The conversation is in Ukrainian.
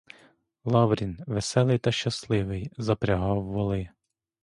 Лаврін, веселий та щасливий, запрягав воли.